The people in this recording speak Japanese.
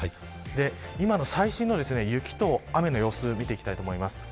今の最新の雪と雨の様子を見ていきたいと思います。